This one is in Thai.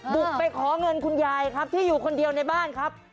บุกไปขอเงินคุณยายครับที่อยู่คนเดียวในบ้านครับ